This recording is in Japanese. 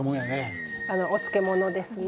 お漬物ですね。